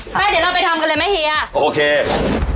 ไปเดี๋ยวเราไปทำกันเลยไหมเฮียโอเค